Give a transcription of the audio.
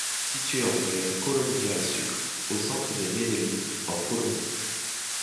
Situé entre les rues Colombia et Sucre, au centre de Medellín, en Colombie.